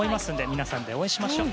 皆さんで応援しましょう。